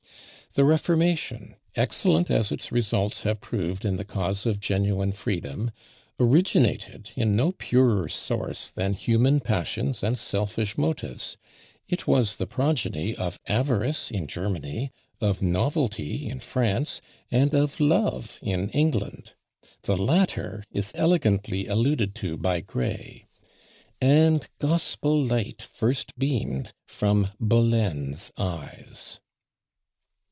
The Reformation, excellent as its results have proved in the cause of genuine freedom, originated in no purer source than human passions and selfish motives: it was the progeny of avarice in Germany, of novelty in France, and of love in England. The latter is elegantly alluded to by Gray And gospel light first beam'd from Bullen's eyes.